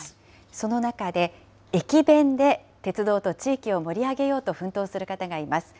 その中で、駅弁で鉄道と地域を盛り上げようと奮闘する方がいます。